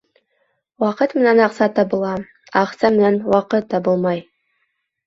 Ваҡыт менән аҡса табыла, аҡса менән ваҡыт табылмай.